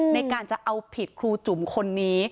ในการจะเอาผิดครูจุ๋มคนนี้